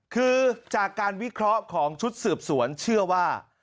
คือจากการวิเคราะห์ของชุดสืบสวนเชื่อว่า